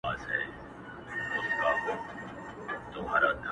د ژوند مفهوم ورته بدل ښکاري او بې معنا,